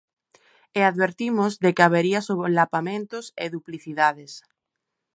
E advertimos de que habería solapamentos e duplicidades.